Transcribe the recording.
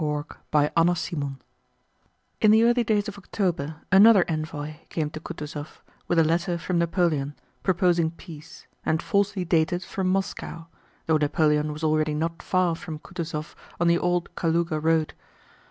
CHAPTER XV In the early days of October another envoy came to Kutúzov with a letter from Napoleon proposing peace and falsely dated from Moscow, though Napoleon was already not far from Kutúzov on the old Kalúga road.